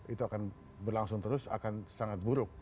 itu akan berlangsung terus akan sangat buruk